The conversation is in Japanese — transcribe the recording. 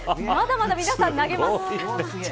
まだまだ皆さん、投げます。